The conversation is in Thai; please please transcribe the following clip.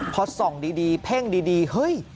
พอส่องดีเพ่งดีเฮ้ย